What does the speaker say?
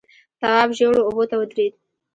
تواب ژېړو اوبو ته ودرېد.